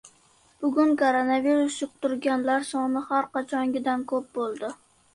Bugun koronavirus yuqtirganlar soni har qachongidan ko‘p bo‘ldi